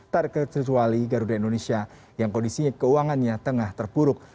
terkecuali garuda indonesia yang kondisinya keuangannya tengah terpuruk